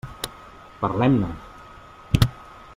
Parlem-ne.